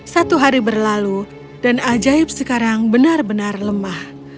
satu hari berlalu dan ajaib sekarang benar benar lemah